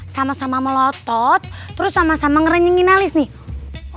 sama sama melotot terus sama sama ngerenyngin alis nih